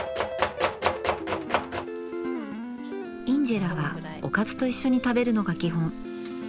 インジェラはおかずと一緒に食べるのが基本。